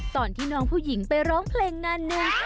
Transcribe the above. ตอนที่น้องผู้หญิงไปร้องเพลงงานหนึ่ง